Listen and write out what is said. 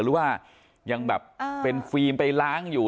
หรือว่ายังแบบเป็นฟิล์มไปล้างอยู่